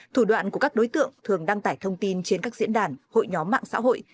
thủ đoạn của các đối tượng thường đăng tải thông tin trên các diễn đàn hội nhóm mạng xã hội